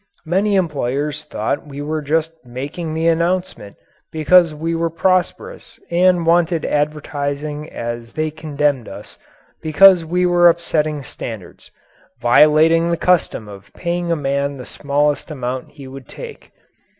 Many employers thought we were just making the announcement because we were prosperous and wanted advertising and they condemned us because we were upsetting standards violating the custom of paying a man the smallest amount he would take.